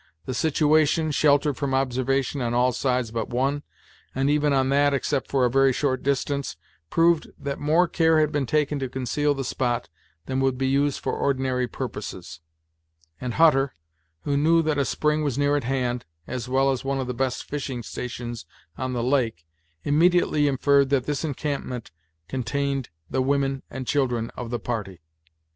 The situation, sheltered from observation on all sides but one, and even on that except for a very short distance, proved that more care had been taken to conceal the spot than would be used for ordinary purposes, and Hutter, who knew that a spring was near at hand, as well as one of the best fishing stations on the lake, immediately inferred that this encampment contained the women and children of the party.